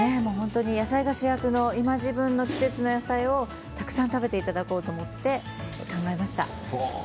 野菜が主役の今、時分の季節の野菜をたくさん食べていただこうと思って、考えました。